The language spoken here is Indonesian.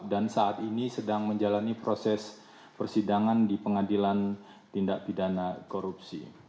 dan saat ini sedang menjalani proses persidangan di pengadilan tindak pidana korupsi